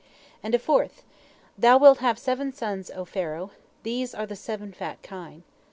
And a fourth: "Thou wilt have seven sons, O Pharaoh, these are the seven fat kine.